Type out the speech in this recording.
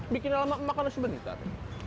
bikinnya lama makannya sebentar